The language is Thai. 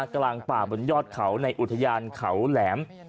กลางป่าบนยอดเขาในอุทยานเขาแหลม